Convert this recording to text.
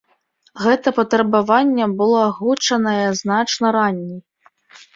Гэтае патрабаванне было агучанае значна раней.